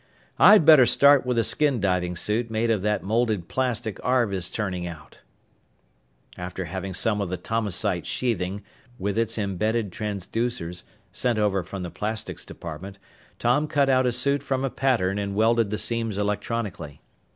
"I'd better start with a skin diving suit made of that molded plastic Arv is turning out." After having some of the Tomasite sheathing, with its embedding transducers, sent over from the plastics department, Tom cut out a suit from a pattern and welded the seams electronically.